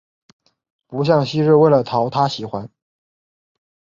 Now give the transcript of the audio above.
不像昔日为了讨他喜欢